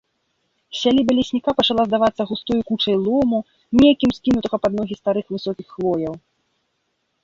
Сяліба лесніка пачала здавацца густою кучай лому, некім скінутага пад ногі старых высокіх хвояў.